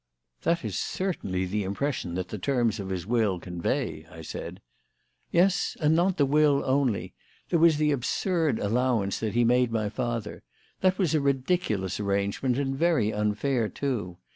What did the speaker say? "That is certainly the impression that the terms of his will convey," I said. "Yes; and not the will only. There was the absurd allowance that he made my father. That was a ridiculous arrangement, and very unfair, too.